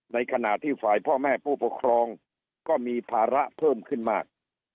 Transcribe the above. ในขณะที่ฝ่ายพ่อแม่ผู้ปกครองก็มีภาระเพิ่มขึ้นมาก